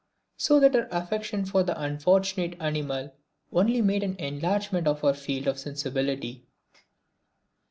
So that her affection for the unfortunate animal only made for an enlargement of her field of sensibility.